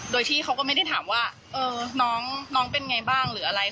โดยที่เขาก็ไม่ได้ถามว่าน้องเป็นไงบ้างหรืออะไร